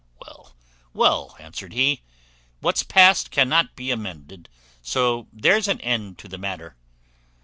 "Well, well," answered he; "what's past cannot be mended, so there's an end of the matter."